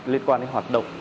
liên quan đến hoạt động